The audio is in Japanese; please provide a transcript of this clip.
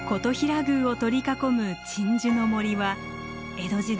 宮を取り囲む鎮守の森は江戸時代